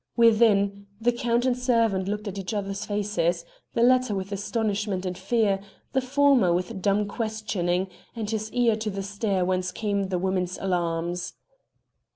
Within, the Count and servant looked at each other's faces the latter with astonishment and fear, the former with dumb questioning, and his ear to the stair whence came the woman's alarms.